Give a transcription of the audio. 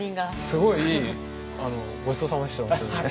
すごいいいごちそうさまでした本当に。